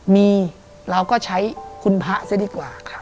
มีเราก็ใช้คุณพระซะดีกว่า